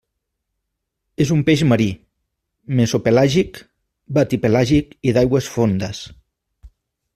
És un peix marí, mesopelàgic, batipelàgic i d'aigües fondes.